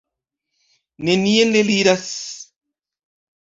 Nenien eliras.